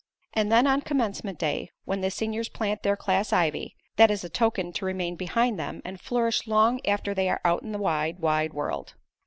And then on Commencement Day when the seniors plant their class ivy that is a token to remain behind them and flourish long after they are out in the wide, wide world.